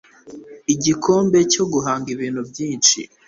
igikombe cyo guhanga ibintu bishya